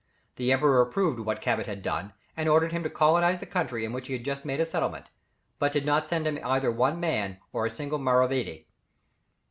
The Emperor approved of what Cabot had done, and ordered him to colonize the country in which he had just made a settlement, but did not send him either one man or a single maravédi.